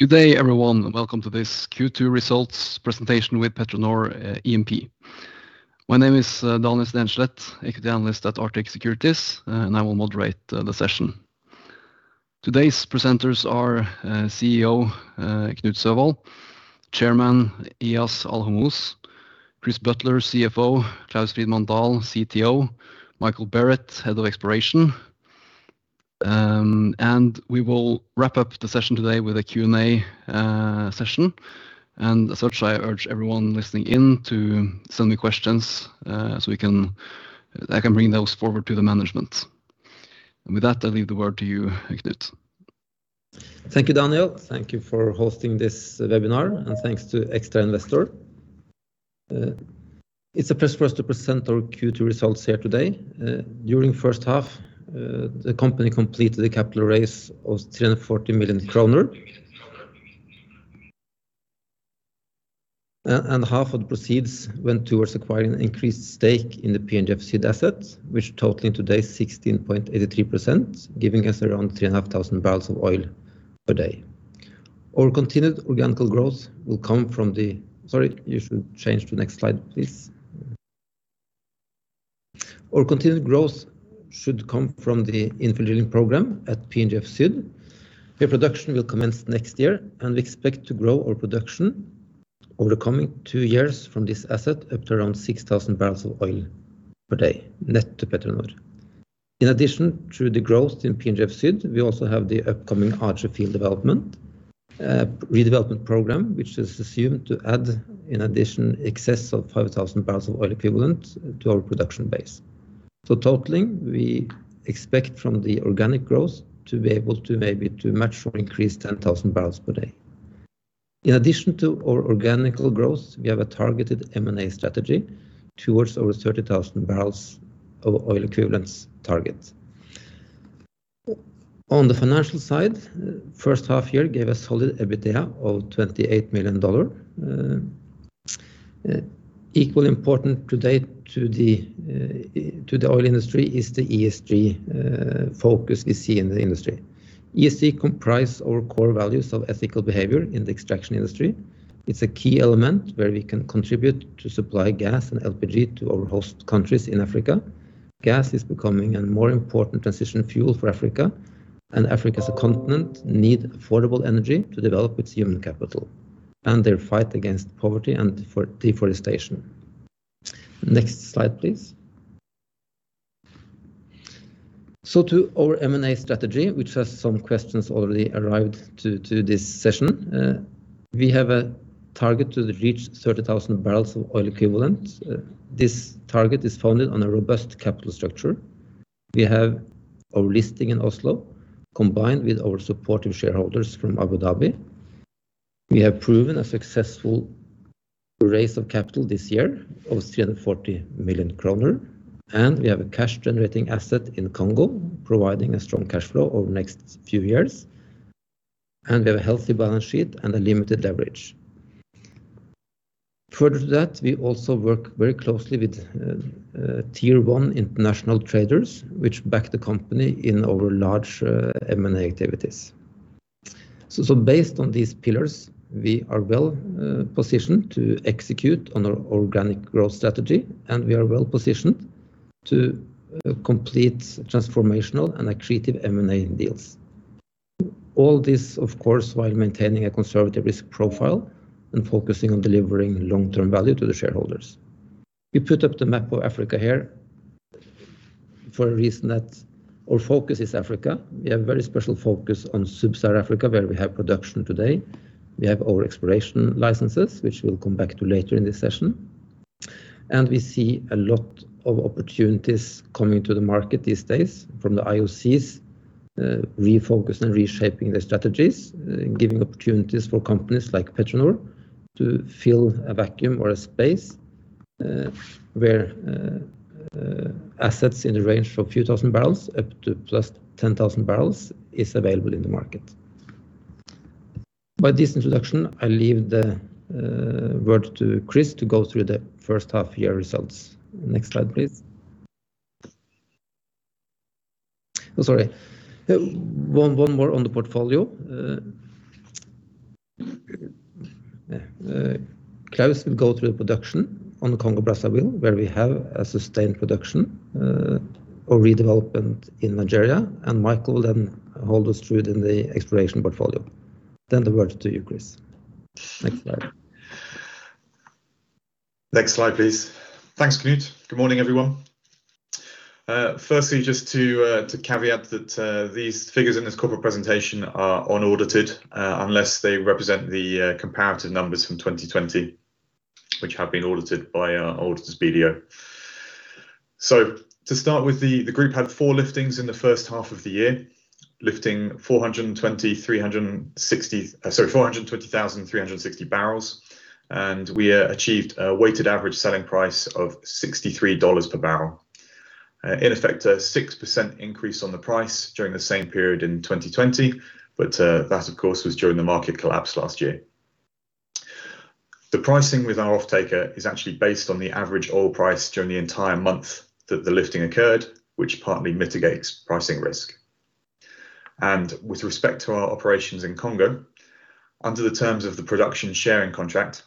Good day everyone, welcome to this Q2 Results Presentation with PetroNor E&P. My name is Daniel Stenslet Jensen, equity analyst at Arctic Securities, and I will moderate the session. Today's presenters are CEO Knut Søvold, Chairman Eyas Alhomouz, Chris Butler, CFO, Claus Frimann-Dahl, CTO, Michael Barrett, head of exploration. We will wrap up the session today with a Q&A session. As such, I urge everyone listening in to send me questions, so I can bring those forward to the management. With that, I'll leave the word to you, Knut Søvold. Thank you, Daniel. Thank you for hosting this webinar, and thanks to XtraInvestor. It's a pleasure for us to present our Q2 results here today. During the first half, the company completed a capital raise of 340 million NOK. Half of the proceeds went towards acquiring an increased stake in the PNGF Sud asset, which totaling today 16.83%, giving us around 3,500 barrels of oil per day. Sorry, you should change to next slide, please. Our continued growth should come from the infield drilling program at PNGF Sud. Pre-production will commence next year, and we expect to grow our production over the coming two years from this asset up to around 6,000 barrels of oil per day, net to PetroNor. Through the growth in PNGF Sud, we also have the upcoming Aje field development, a redevelopment program, which is assumed to add, in addition, excess of 5,000 barrels of oil equivalent to our production base. Totally, we expect from the organic growth to be able to maybe much more increase 10,000 barrels per day. In addition to our organic growth, we have a targeted M&A strategy towards our 30,000 barrels of oil equivalents target. On the financial side, first half-year gave us solid EBITDA of $28 million. Equally important to date to the oil industry is the ESG focus we see in the industry. ESG comprise our core values of ethical behavior in the extraction industry. It's a key element where we can contribute to supply gas and LPG to our host countries in Africa. Gas is becoming a more important transition fuel for Africa as a continent need affordable energy to develop its human capital and their fight against poverty and deforestation. Next slide, please. To our M&A strategy, which has some questions already arrived to this session. We have a target to reach 30,000 barrels of oil equivalent. This target is founded on a robust capital structure. We have our listing in Oslo, combined with our supportive shareholders from Abu Dhabi. We have proven a successful raise of capital this year of 340 million kroner, and we have a cash-generating asset in Congo, providing a strong cash flow over the next few years. We have a healthy balance sheet and a limited leverage. Further to that, we also work very closely with tier 1 international traders, which back the company in our large M&A activities. Based on these pillars, we are well-positioned to execute on our organic growth strategy, and we are well-positioned to complete transformational and accretive M&A deals. All this, of course, while maintaining a conservative risk profile and focusing on delivering long-term value to the shareholders. We put up the map of Africa here for a reason that our focus is Africa. We have a very special focus on Sub-Saharan Africa, where we have production today. We have our exploration licenses, which we'll come back to later in this session. We see a lot of opportunities coming to the market these days from the IOCs, refocus and reshaping their strategies, giving opportunities for companies like PetroNor to fill a vacuum or a space, where assets in the range from a few thousand barrels up to just 10,000 barrels is available in the market. By this introduction, I leave the word to Chris to go through the first half year results. Next slide, please. Oh, sorry. One more on the portfolio. Claus will go through the production on Congo, Brazzaville, where we have a sustained production or redevelopment in Nigeria, and Michael will then hold us through in the exploration portfolio. The word to you, Chris. Next slide. Next slide, please. Thanks, Knut. Good morning, everyone. Firstly, just to caveat that these figures in this corporate presentation are unaudited, unless they represent the comparative numbers from 2020, which have been audited by our auditors, BDO. To start with, the group had four liftings in the first half of the year, lifting 420,360 barrels, and we achieved a weighted average selling price of $63 per barrel. In effect, a 6% increase on the price during the same period in 2020, that of course, was during the market collapse last year. The pricing with our off-taker is actually based on the average oil price during the entire month that the lifting occurred, which partly mitigates pricing risk. With respect to our operations in Congo, under the terms of the production sharing contract,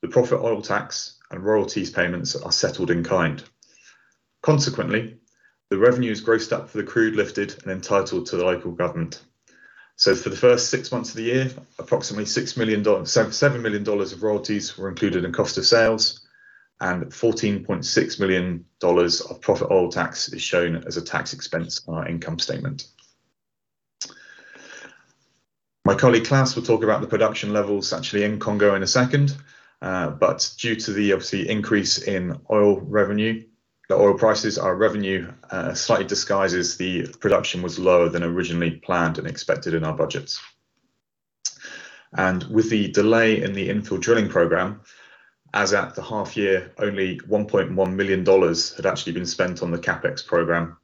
the profit oil tax and royalties payments are settled in kind. Consequently, the revenue is grossed up for the crude lifted and entitled to the local government. For the first six months of the year, approximately $7 million of royalties were included in cost of sales, and $14.6 million of profit oil tax is shown as a tax expense on our income statement. My colleague, Claus, will talk about the production levels actually in Congo in a second, but due to the obviously increase in oil revenue, the oil prices, our revenue slightly disguises the production was lower than originally planned and expected in our budgets. With the delay in the infill drilling program, as at the half year, only $1.1 million had actually been spent on the CapEx program,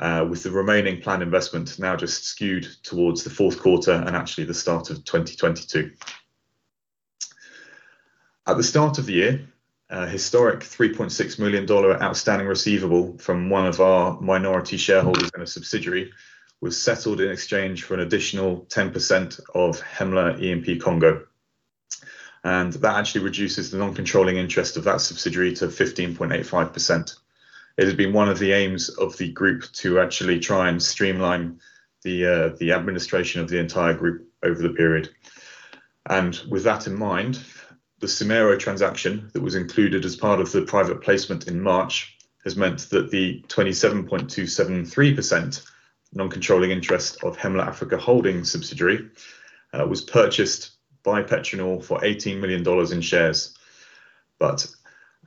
with the remaining planned investment now just skewed towards the fourth quarter and actually the start of 2022. At the start of the year, a historic $3.6 million outstanding receivable from one of our minority shareholders in a subsidiary was settled in exchange for an additional 10% of Hemla E&P Congo. That actually reduces the non-controlling interest of that subsidiary to 15.85%. It had been one of the aims of the group to actually try and streamline the administration of the entire group over the period. With that in mind, the Symero transaction that was included as part of the private placement in March has meant that the 27.273% non-controlling interest of Hemla Africa Holding subsidiary was purchased by PetroNor for $18 million in shares.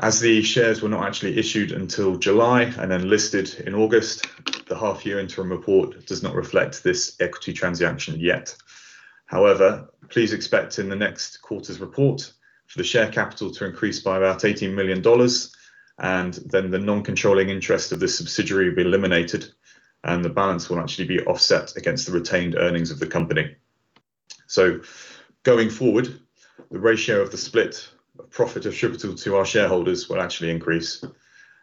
As the shares were not actually issued until July and then listed in August, the half-year interim report does not reflect this equity transaction yet. Please expect in the next quarter's report for the share capital to increase by about $18 million, the non-controlling interest of this subsidiary will be eliminated, and the balance will actually be offset against the retained earnings of the company. Going forward, the ratio of the split profit attributable to our shareholders will actually increase.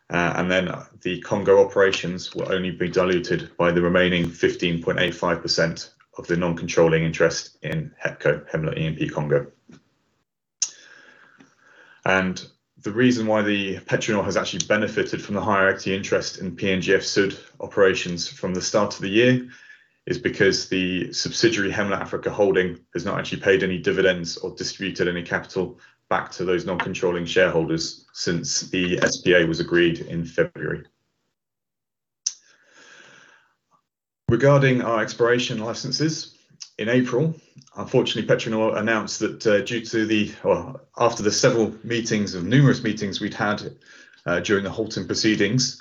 The Congo operations will only be diluted by the remaining 15.85% of the non-controlling interest in HEPCO, Hemla E&P Congo. The reason why PetroNor has actually benefited from the higher equity interest in PNGF Sud operations from the start of the year is because the subsidiary, Hemla Africa Holding, has not actually paid any dividends or distributed any capital back to those non-controlling shareholders since the SPA was agreed in February. Regarding our exploration licenses, in April, unfortunately, PetroNor announced that after the several meetings, of numerous meetings we'd had during the halt in proceedings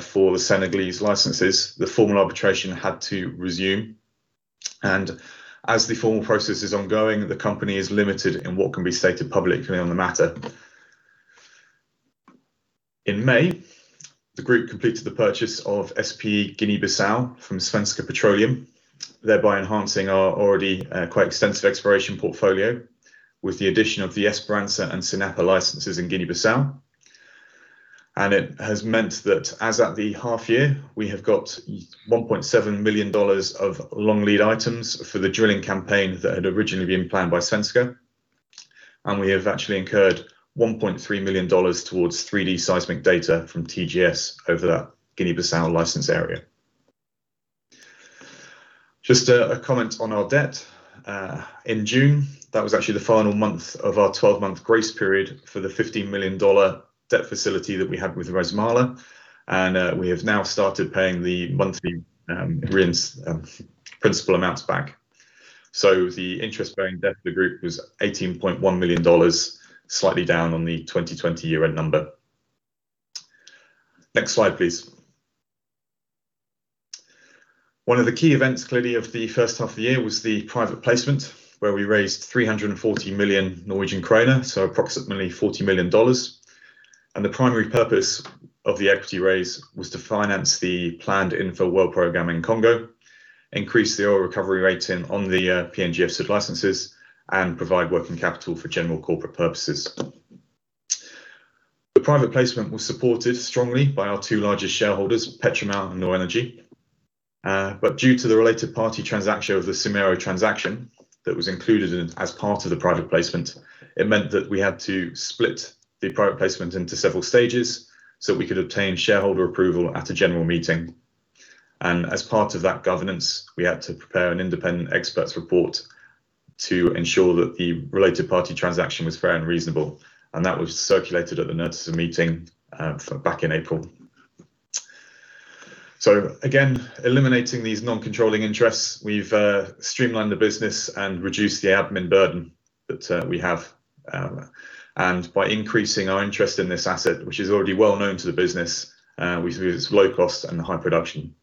for the Senegalese licenses, the formal arbitration had to resume. As the formal process is ongoing, the company is limited in what can be stated publicly on the matter. In May, the group completed the purchase of SP Guinea Bissau from Svenska Petroleum, thereby enhancing our already quite extensive exploration portfolio with the addition of the Esperança and Sinapa licenses in Guinea Bissau. It has meant that as at the half year, we have got $1.7 million of long-lead items for the drilling campaign that had originally been planned by Svenska, and we have actually incurred $1.3 million towards 3D seismic data from TGS over that Guinea Bissau license area. Just a comment on our debt. In June, that was actually the final month of our 12-month grace period for the $15 million debt facility that we had with Rasmala. We have now started paying the monthly principal amounts back. The interest-bearing debt of the group was $18.1 million, slightly down on the 2020 year-end number. Next slide, please. One of the key events clearly of the first half of the year was the private placement, where we raised 340 million Norwegian kroner, approximately $40 million. The primary purpose of the equity raise was to finance the planned infill well program in Congo, increase the oil recovery rate on the PNGF Sud licenses, and provide working capital for general corporate purposes. The private placement was supported strongly by our two largest shareholders, Petromal and NOR Energy. Due to the related party transaction of the Symero transaction that was included as part of the private placement, it meant that we had to split the private placement into several stages so we could obtain shareholder approval at a general meeting. As part of that governance, we had to prepare an independent expert's report to ensure that the related party transaction was fair and reasonable, and that was circulated at the notice of meeting back in April. Again, eliminating these non-controlling interests, we've streamlined the business and reduced the admin burden that we have. By increasing our interest in this asset, which is already well known to the business with its low cost and high production.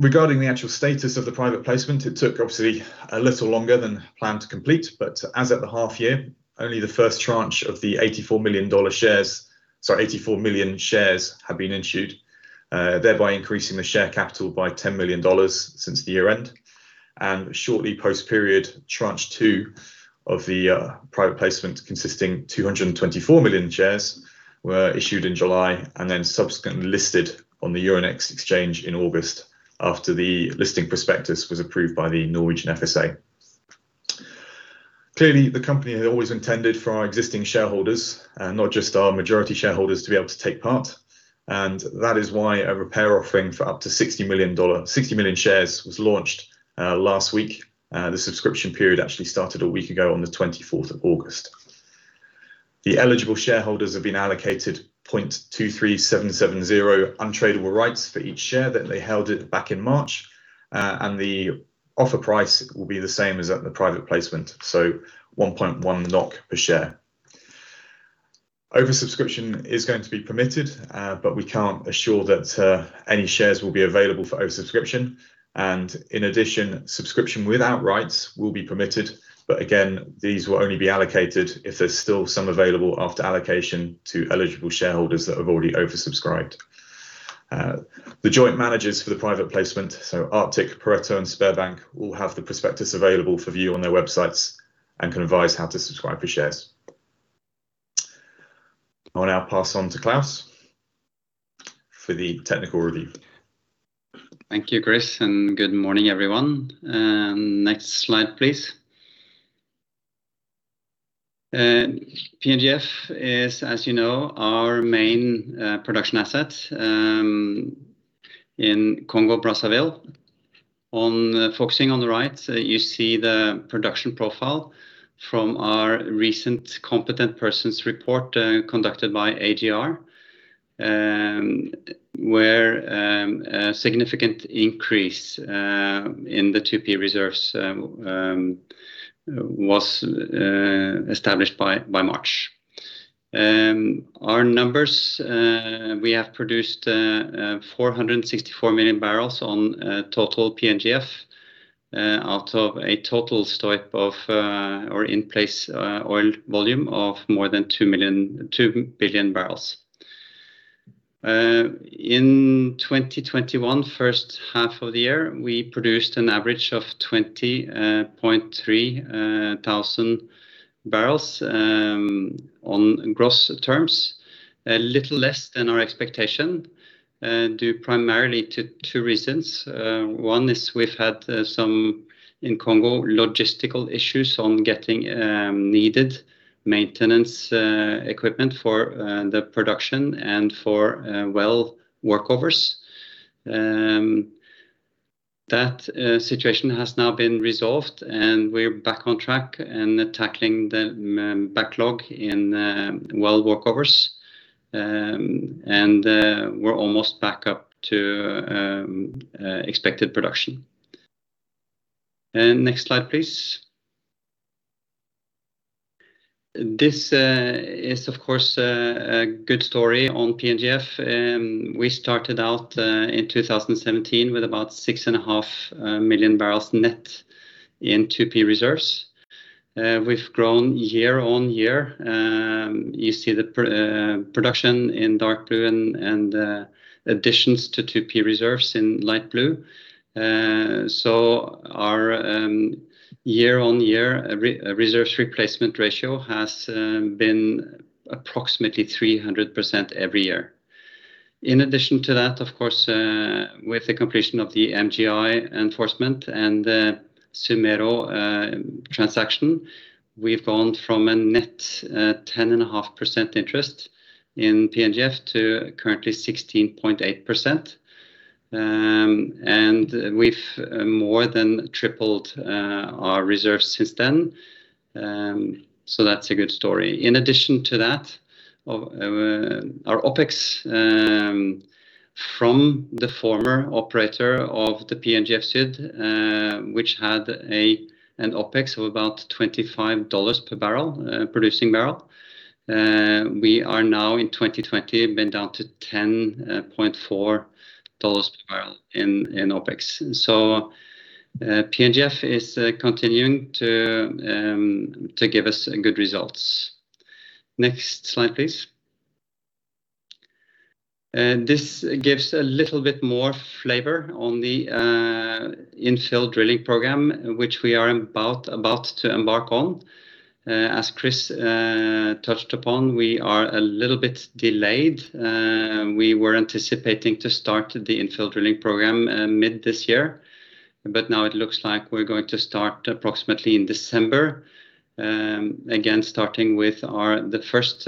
Regarding the actual status of the private placement, it took obviously a little longer than planned to complete, but as at the half year, only the first tranche of the 84 million shares have been issued, thereby increasing the share capital by $10 million since the year-end. Shortly post-period tranche two of the private placement consisting 224 million shares were issued in July, subsequently listed on the Euronext in August after the listing prospectus was approved by the Financial Supervisory Authority of Norway. Clearly, the company had always intended for our existing shareholders, not just our majority shareholders, to be able to take part, and that is why a repair offering for up to 60 million shares was launched last week. The subscription period actually started a week ago on the 24th of August. The eligible shareholders have been allocated 0.23770 untradeable rights for each share that they held back in March. The offer price will be the same as at the private placement, so 1.1 NOK per share. Over-subscription is going to be permitted, we can't assure that any shares will be available for over-subscription, and in addition, subscription without rights will be permitted. Again, these will only be allocated if there's still some available after allocation to eligible shareholders that have already oversubscribed. The joint managers for the private placement, so Arctic, Pareto, and SpareBank, will have the prospectus available for view on their websites and can advise how to subscribe for shares. I will now pass on to Claus for the technical review. Thank you, Chris, and good morning, everyone. Next slide, please. PNGF is, as you know, our main production asset in Congo Brazzaville. Focusing on the right, you see the production profile from our recent Competent Persons Report conducted by AGR, where a significant increase in the 2P reserves was established by March. Our numbers, we have produced 464 million barrels on total PNGF out of a total stock of or in-place oil volume of more than 2 billion barrels. In 2021 first half of the year, we produced an average of 20.3 thousand barrels on gross terms. A little less than our expectation due primarily to two reasons. One is we have had some, in Congo, logistical issues on getting needed maintenance equipment for the production and for well workovers. That situation has now been resolved, and we are back on track and tackling the backlog in well workovers. We're almost back up to expected production. Next slide, please. This is, of course, a good story on PNGF. We started out in 2017 with about 6.5 million barrels net in 2P reserves. We've grown year-on-year. You see the production in dark blue and additions to 2P reserves in light blue. Our year-on-year reserves replacement ratio has been approximately 300% every year. In addition to that, of course, with the completion of the MGI Ruling and the Symero transaction, we've gone from a net 10.5% interest in PNGF to currently 16.8%. We've more than tripled our reserves since then, that's a good story. In addition to that, our OpEx from the former operator of the PNGFCG, which had an OpEx of about $25 per producing barrel, we are now in 2020 been down to $10.4 per barrel in OpEx. PNGF is continuing to give us good results. Next slide, please. This gives a little bit more flavor on the infill drilling program, which we are about to embark on. As Chris touched upon, we are a little bit delayed. We were anticipating to start the infill drilling program mid this year, but now it looks like we're going to start approximately in December. Starting with the first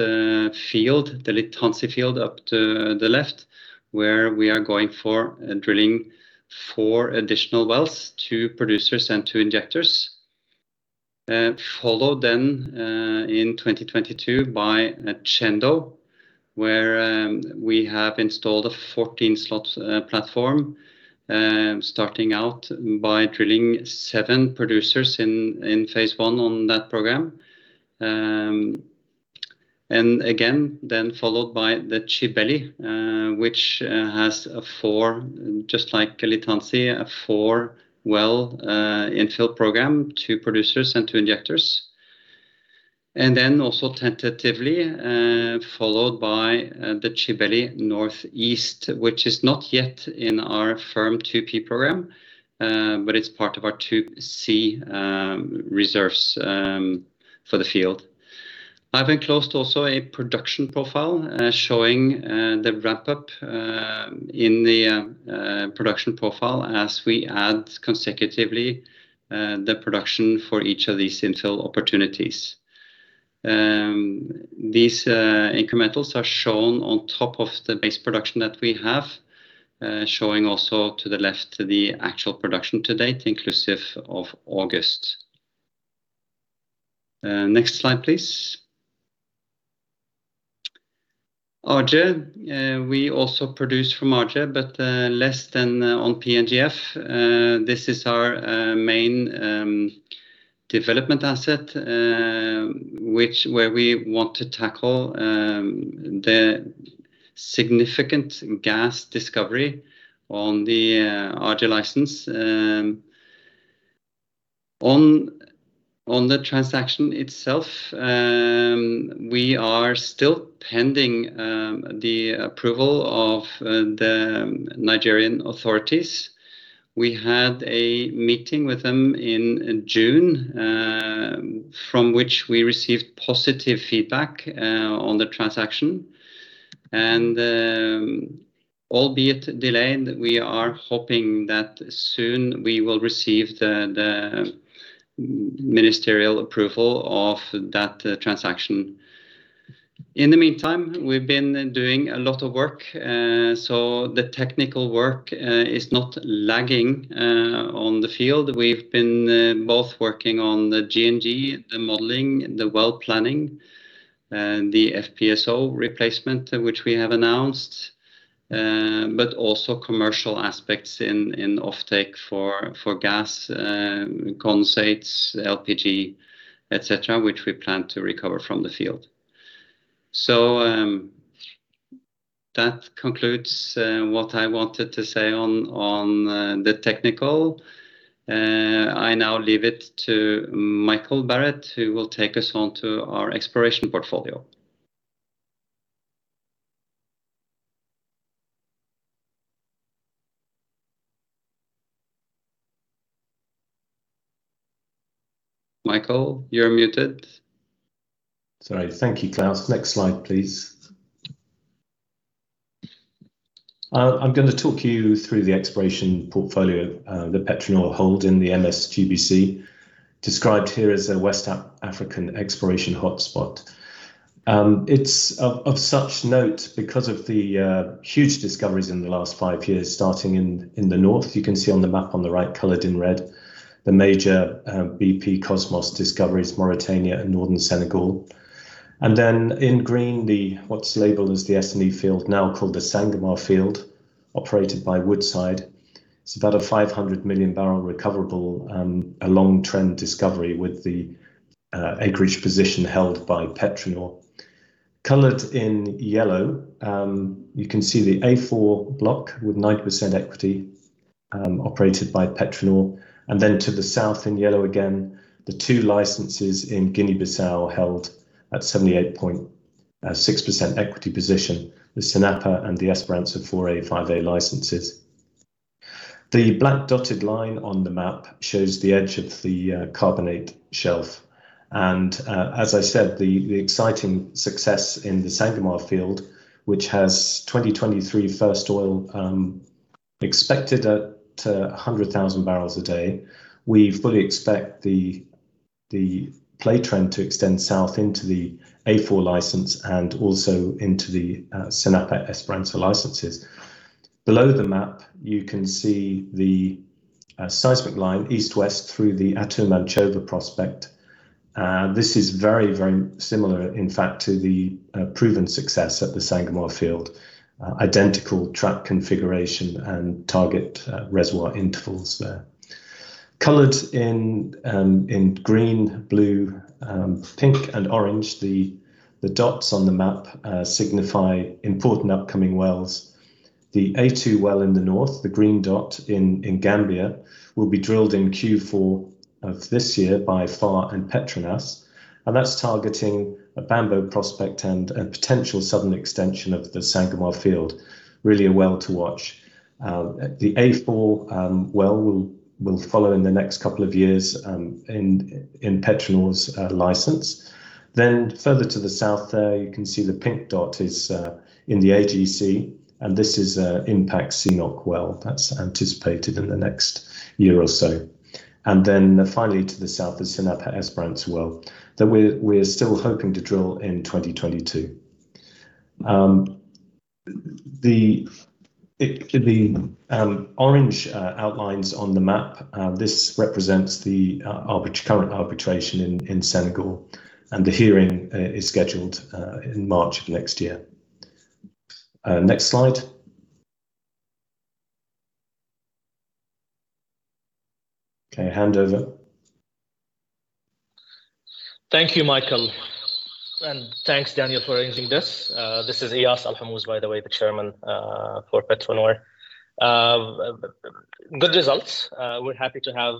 field, the Litanzi field up to the left, where we are going for drilling four additional wells, two producers and two injectors. In 2022 by Tchendo, where we have installed a 14-slot platform, starting out by drilling seven producers in phase I on that program, followed by the Tchibeli which has a four, just like Litanzi, a four well infill program, two producers and two injectors. Also tentatively followed by the Tchibeli North East, which is not yet in our firm 2P program, but it's part of our 2C resources for the field. I've enclosed also a production profile showing the wrap-up in the production profile as we add consecutively the production for each of these infill opportunities. These incrementals are shown on top of the base production that we have, showing also to the left the actual production to date, inclusive of August. Next slide, please. Aje. We also produce from Aje, but less than on PNGF. This is our main development asset where we want to tackle the significant gas discovery on the Aje license. On the transaction itself, we are still pending the approval of the Nigerian authorities. We had a meeting with them in June, from which we received positive feedback on the transaction and, albeit delayed, we are hoping that soon we will receive the ministerial approval of that transaction. In the meantime, we've been doing a lot of work. The technical work is not lagging on the field. We've been both working on the G&G, the modeling, the well planning, the FPSO replacement, which we have announced, but also commercial aspects in offtake for gas, condensates, LPG, et cetera, which we plan to recover from the field. That concludes what I wanted to say on the technical. I now leave it to Michael Barrett, who will take us on to our exploration portfolio. Michael, you're muted. Sorry. Thank you, Claus. Next slide, please. I'm going to talk you through the exploration portfolio that PetroNor hold in the MSGBC, described here as a West African exploration hotspot. It's of such note because of the huge discoveries in the last five years, starting in the north. You can see on the map on the right, colored in red, the major BP Kosmos discoveries, Mauritania and northern Senegal. Then in green, what's labeled as the SNE field, now called the Sangomar field, operated by Woodside. It's about a 500 million barrel recoverable, a long trend discovery with the acreage position held by PetroNor. Colored in yellow, you can see the A4 block with 90% equity operated by PetroNor. Then to the south in yellow again, the two licenses in Guinea Bissau held at 78.6% equity position, the Sinapa and the Esperança 4A/5A licenses. As I said, the exciting success in the Sangomar field, which has 2023 first oil expected at 100,000 barrels a day. We fully expect the play trend to extend south into the A4 license and also into the Sinapa Esperança licenses. Below the map, you can see the seismic line east-west through the Atum/Anchova prospect. This is very similar, in fact, to the proven success at the Sangomar field. Identical track configuration and target reservoir intervals there. Colored in green, blue, pink, and orange, the dots on the map signify important upcoming wells. The A2 well in the north, the green dot in Gambia, will be drilled in Q4 of this year by FAR and Petronas, and that's targeting a Bambo prospect and a potential southern extension of the Sangomar field. Really a well to watch. The A4 well will follow in the next couple of years in PetroNor's license. Further to the south there, you can see the pink dot is in the AGC, and this is an Impact CNOOC well that's anticipated in the next year or so. Finally, to the south, the Sinapa Esperança well that we're still hoping to drill in 2022. The orange outlines on the map, this represents the current arbitration in Senegal, and the hearing is scheduled in March of next year. Next slide. Okay, hand over. Thank you, Michael, and thanks Daniel for arranging this. This is Eyas Alhomouz, by the way, the Chairman for PetroNor. Good results. We're happy to have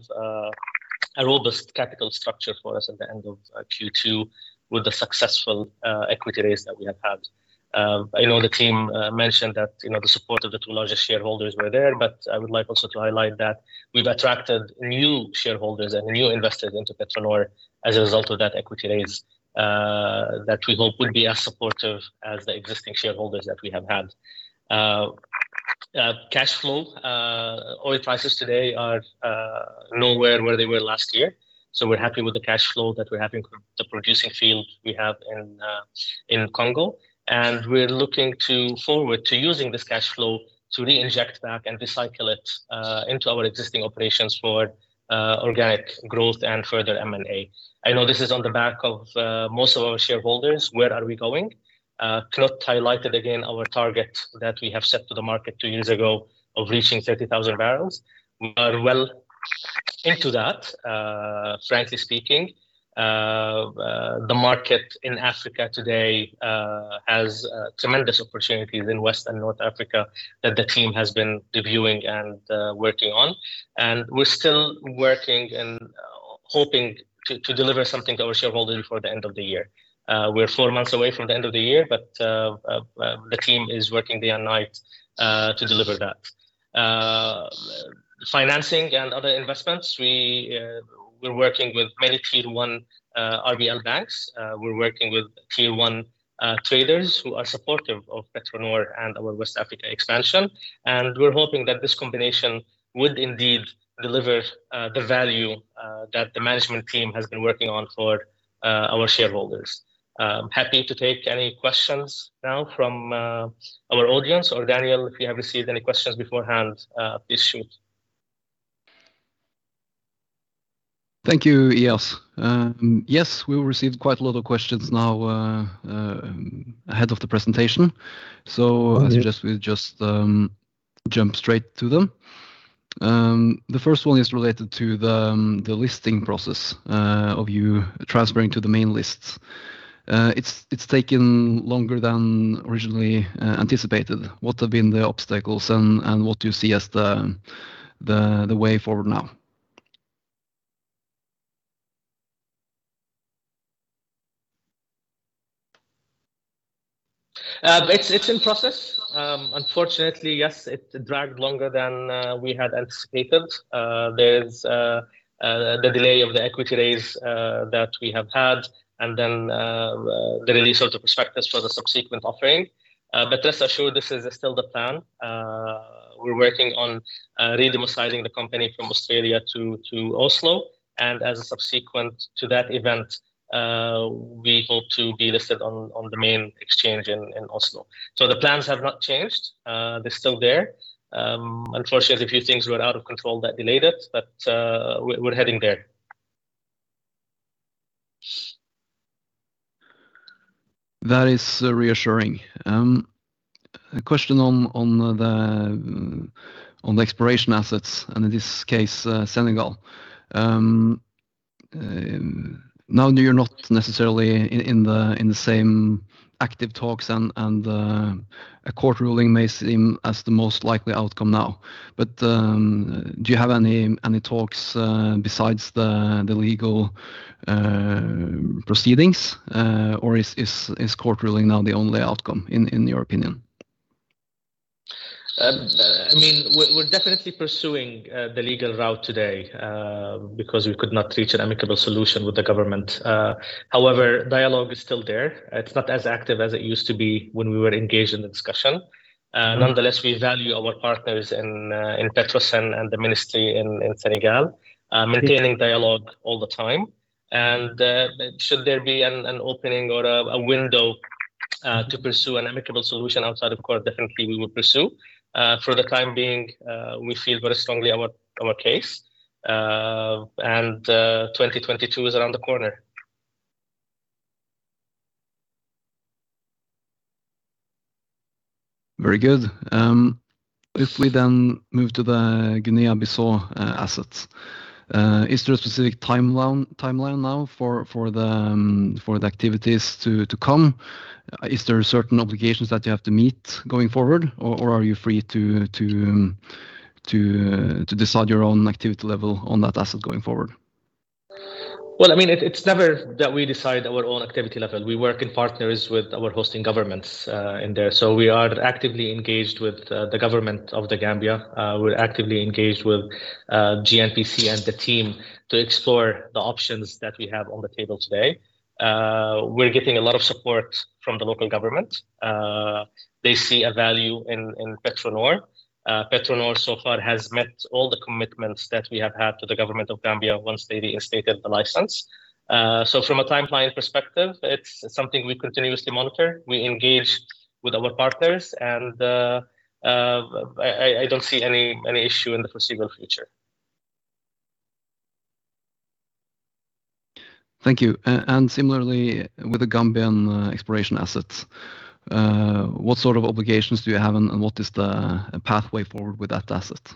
a robust capital structure for us at the end of Q2 with the successful equity raise that we have had. I know the team mentioned that the support of the two largest shareholders were there, but I would like also to highlight that we've attracted new shareholders and new investors into PetroNor as a result of that equity raise, that we hope will be as supportive as the existing shareholders that we have had. Cash flow. Oil prices today are nowhere where they were last year, so we're happy with the cash flow that we're having from the producing field we have in Congo. We're looking forward to using this cash flow to reinject back and recycle it into our existing operations for organic growth and further M&A. I know this is on the back of most of our shareholders, where are we going? Knut highlight it again, our target that we have set to the market two years ago of reaching 30,000 barrels. We are well into that, frankly speaking. The market in Africa today has tremendous opportunities in West and North Africa that the team has been reviewing and working on, and we're still working and hoping to deliver something to our shareholders before the end of the year. We're four months away from the end of the year, but the team is working day and night to deliver that. Financing and other investments. We're working with many tier 1 RBL banks. We're working with tier 1 traders who are supportive of PetroNor and our West Africa expansion, and we're hoping that this combination would indeed deliver the value that the management team has been working on for our shareholders. Happy to take any questions now from our audience, or Daniel, if you have received any questions beforehand, please shoot. Thank you, Eyas. Yes, we received quite a lot of questions now ahead of the presentation. I suggest we just jump straight to them. The first one is related to the listing process of you transferring to the main lists. It's taken longer than originally anticipated. What have been the obstacles and what do you see as the way forward now? It's in process. Unfortunately, yes, it dragged longer than we had anticipated. There is the delay of the equity raise that we have had, and then the release of the prospectus for the subsequent offering. Rest assured, this is still the plan. We are working on re-domiciling the company from Australia to Oslo, and as a subsequent to that event, we hope to be listed on the main exchange in Oslo. The plans have not changed. They are still there. Unfortunately, a few things were out of control that delayed it, but we are heading there. That is reassuring. A question on the exploration assets, and in this case, Senegal. Now you're not necessarily in the same active talks, and a court ruling may seem as the most likely outcome now. Do you have any talks besides the legal proceedings or is court ruling now the only outcome in your opinion? We're definitely pursuing the legal route today because we could not reach an amicable solution with the government. However, dialogue is still there. It's not as active as it used to be when we were engaged in the discussion. Nonetheless, we value our partners in Petrosen and the ministry in Senegal, maintaining dialogue all the time. Should there be an opening or a window to pursue an amicable solution outside of court, definitely we will pursue. For the time being, we feel very strongly our case, and 2022 is around the corner. Very good. If we then move to the Guinea Bissau assets. Is there a specific timeline now for the activities to come? Are there certain obligations that you have to meet going forward, or are you free to decide your own activity level on that asset going forward? It's never that we decide our own activity level. We work in partners with our hosting governments in there. We are actively engaged with the government of The Gambia. We're actively engaged with GNPC and the team to explore the options that we have on the table today. We're getting a lot of support from the local government. They see a value in PetroNor. PetroNor so far has met all the commitments that we have had to the government of The Gambia once they re-instated the license. From a timeline perspective, it's something we continuously monitor. We engage with our partners, I don't see any issue in the foreseeable future. Thank you. Similarly, with the Gambian exploration assets, what sort of obligations do you have and what is the pathway forward with that asset?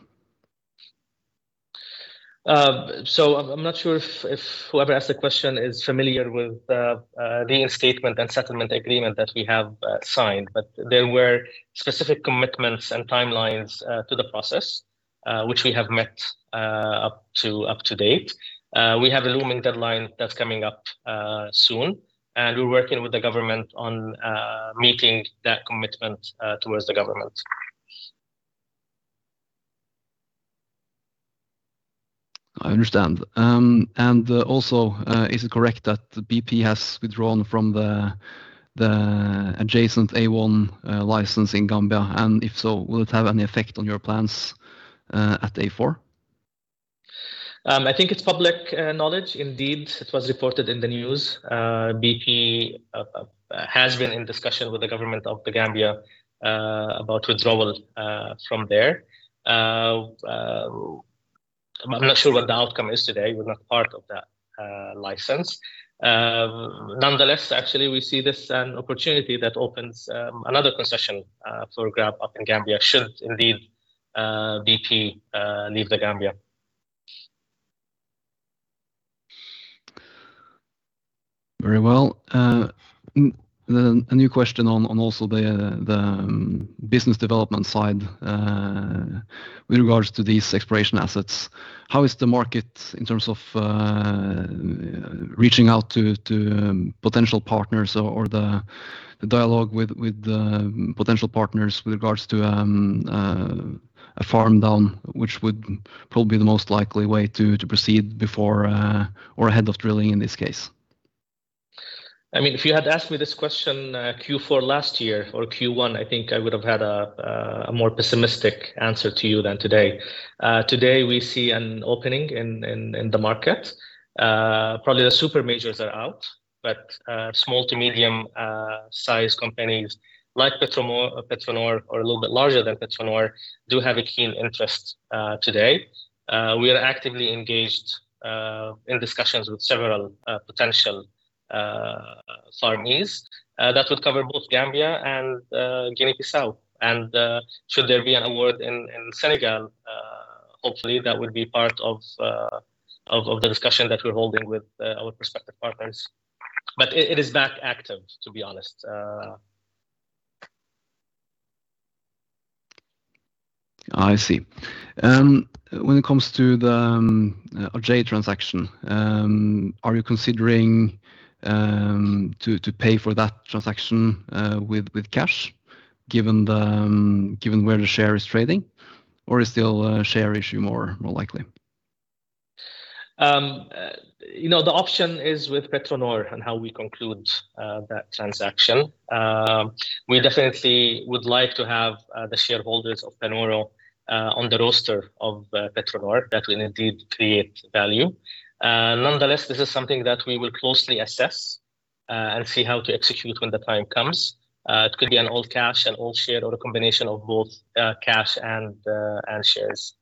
I'm not sure if whoever asked the question is familiar with the reinstatement and settlement agreement that we have signed, but there were specific commitments and timelines to the process, which we have met up to date. We have a looming deadline that's coming up soon, and we're working with the government on meeting that commitment towards the government. I understand. Is it correct that BP has withdrawn from the adjacent A-1 license in Gambia? If so, will it have any effect on your plans at A-4? I think it's public knowledge. Indeed, it was reported in the news. BP has been in discussion with the government of The Gambia about withdrawal from there. I'm not sure what the outcome is today. We're not part of that license. Nonetheless, actually, we see this as an opportunity that opens another concession for grab up in Gambia should indeed BP leave The Gambia. Very well. A new question on also the business development side with regards to these exploration assets. How is the market in terms of reaching out to potential partners or the dialogue with the potential partners with regards to a farm down, which would probably be the most likely way to proceed before or ahead of drilling in this case? If you had asked me this question Q4 last year or Q1, I think I would have had a more pessimistic answer to you than today. Today, we see an opening in the market. Probably the supermajors are out, but small to medium-size companies like PetroNor or a little bit larger than PetroNor do have a keen interest today. We are actively engaged in discussions with several potential farmees. That would cover both The Gambia and Guinea Bissau. Should there be an award in Senegal, hopefully that would be part of the discussion that we're holding with our prospective partners. It is back active, to be honest. I see. When it comes to the Aje transaction, are you considering to pay for that transaction with cash given where the share is trading or is still a share issue more likely? The option is with PetroNor and how we conclude that transaction. We definitely would like to have the shareholders of Panoro on the roster of PetroNor that will indeed create value. Nonetheless, this is something that we will closely assess and see how to execute when the time comes. It could be an all cash, an all share, or a combination of both cash and shares.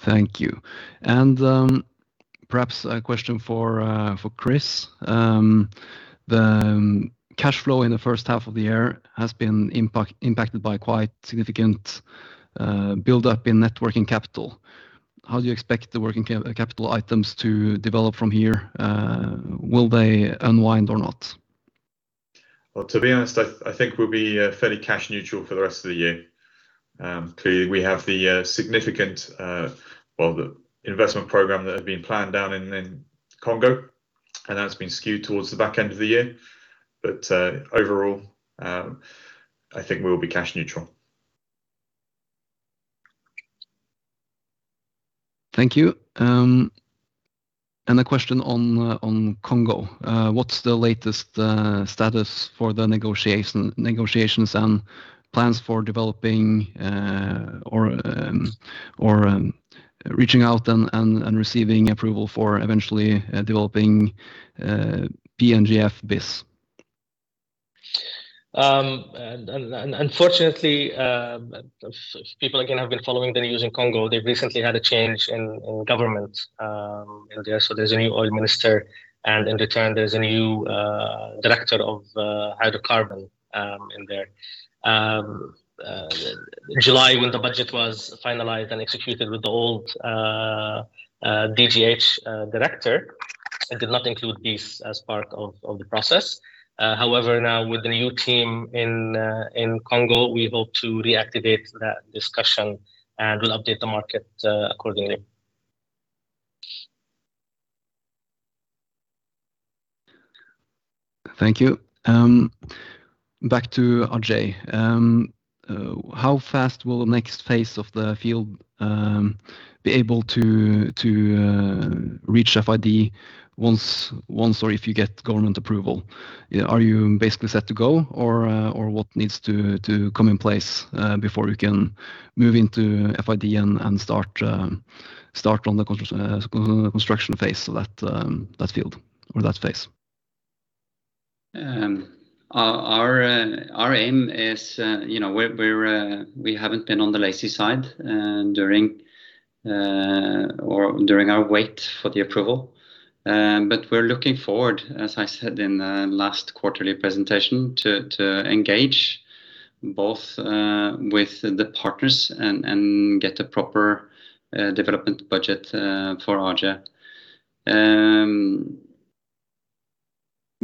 Thank you. Perhaps a question for Chris. The cash flow in the first half of the year has been impacted by quite significant build-up in net working capital. How do you expect the working capital items to develop from here? Will they unwind or not? Well, to be honest, I think we'll be fairly cash neutral for the rest of the year. Clearly, we have the significant investment program that had been planned down in Congo, and that's been skewed towards the back end of the year. Overall, I think we will be cash neutral. Thank you. A question on Congo. What's the latest status for the negotiations and plans for developing or reaching out and receiving approval for eventually developing PNGF Bis? Unfortunately, people again have been following the news in Congo. They've recently had a change in government there, so there's a new oil minister, and in return, there's a new director of hydrocarbon in there. July, when the budget was finalized and executed with the old DGH director, it did not include this as part of the process. However, now with the new team in Congo, we hope to reactivate that discussion, and we'll update the market accordingly. Thank you. Back to Aje. How fast will the next phase of the field be able to reach FID once or if you get government approval? Are you basically set to go, or what needs to come in place before you can move into FID and start on the construction phase of that field or that phase? Our aim is we haven't been on the lazy side during our wait for the approval. We're looking forward, as I said in the last quarterly presentation, to engage both with the partners and get a proper development budget for Aje.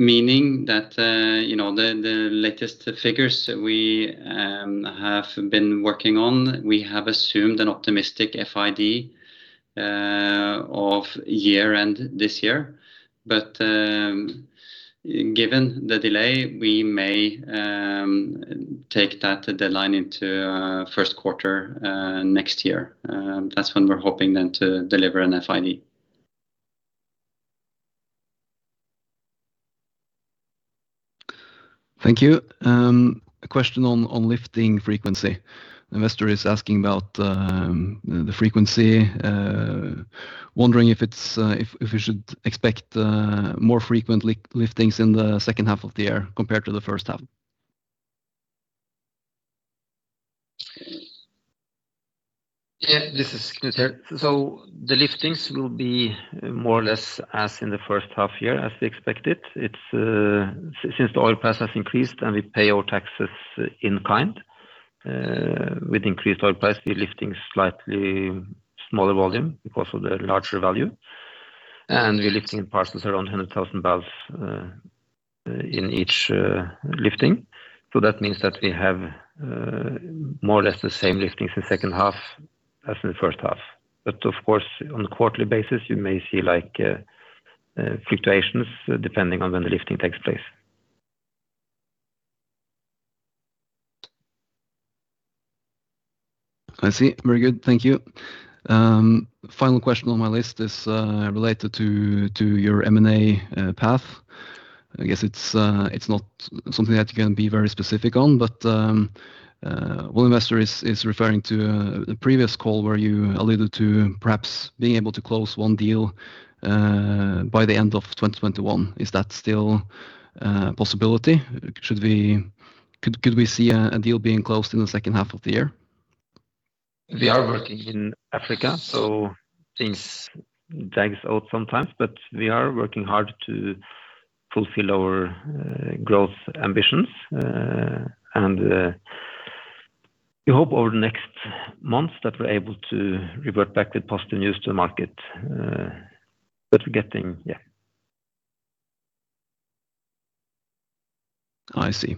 Meaning that the latest figures we have been working on, we have assumed an optimistic FID of year-end this year. Given the delay, we may take that deadline into 1st quarter next year. That's when we're hoping then to deliver an FID. Thank you. A question on lifting frequency. Investor is asking about the frequency, wondering if we should expect more frequent liftings in the second half of the year compared to the first half. This is Knut here. The liftings will be more or less as in the first half year as we expected. Since the oil price has increased and we pay our taxes in kind. With increased oil price, we're lifting slightly smaller volume because of the larger value, and we're lifting in parcels around 100,000 barrels in each lifting. That means that we have more or less the same liftings the second half as in the first half. Of course, on a quarterly basis, you may see fluctuations depending on when the lifting takes place. I see. Very good. Thank you. Final question on my list is related to your M&A path. I guess it is not something that you can be very specific on, but one investor is referring to the previous call where you alluded to perhaps being able to close one deal by the end of 2021. Is that still a possibility? Could we see a deal being closed in the second half of the year? We are working in Africa, so things drags out sometimes, but we are working hard to fulfill our growth ambitions. We hope over the next months that we're able to revert back with positive news to the market. We're getting there. I see.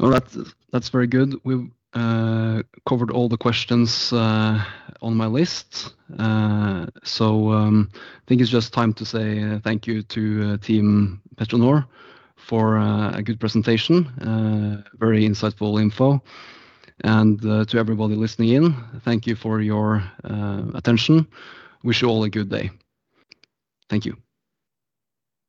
All right. That's very good. We've covered all the questions on my list. I think it's just time to say thank you to Team PetroNor for a good presentation. Very insightful info. To everybody listening in, thank you for your attention. Wish you all a good day. Thank you.